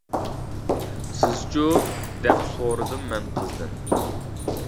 — سىزچۇ؟ — دەپ سورىدىم مەن قىزدىن.